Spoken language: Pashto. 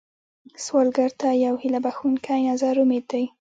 سوالګر ته یو هيله بښونکی نظر امید دی